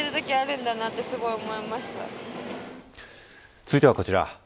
続いてはこちら。